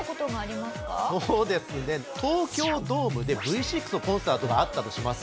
東京ドームでＶ６のコンサートがあったとします。